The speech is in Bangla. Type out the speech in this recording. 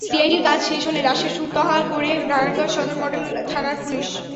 সিআইডির কাজ শেষ হলে লাশের সুরতহাল করে নারায়ণগঞ্জ সদর মডেল থানার পুলিশ।